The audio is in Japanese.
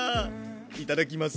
いただきます。